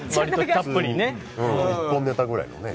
一本ネタぐらいのね。